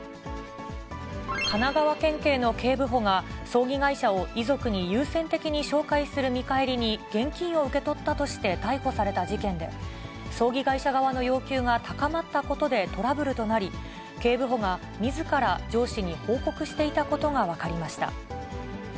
神奈川県警の警部補が、葬儀会社を遺族に優先的に紹介する見返りに、現金を受け取ったとして、逮捕された事件で、葬儀会社側の要求が高まったことで、トラブルとなり、警部補がみずから上司に報告していたことが分かりました。